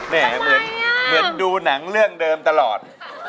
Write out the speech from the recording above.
เหมือนดูหนังเรื่องเดิมตลอด